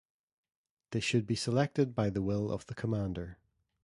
They should be selected by the will of the Commander.